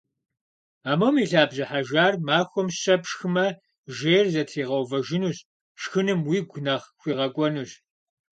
Амум и лъабжьэ хьэжар махуэм щэ пшхымэ, жейр зэтригъэувэжынущ, шхыным уигу нэхъ хуигъэкӏуэнущ.